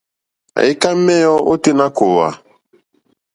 Àyíkâ méěyó ôténá kòòhwà.